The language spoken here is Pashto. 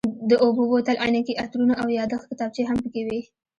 د اوبو بوتل، عینکې، عطرونه او یادښت کتابچې هم پکې وې.